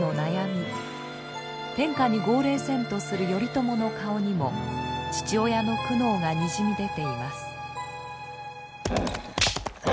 天下に号令せんとする頼朝の顔にも父親の苦悩がにじみ出ています。